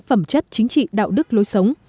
phẩm chất chính trị đạo đức lối sống